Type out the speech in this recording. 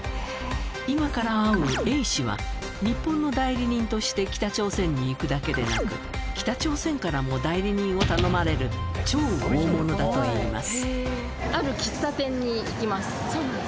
今から会うＡ氏は日本の代理人として北朝鮮に行くだけでなく北朝鮮からも代理人を頼まれる超大物だといいます